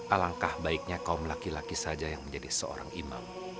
alangkah baiknya kaum laki laki saja yang menjadi seorang imam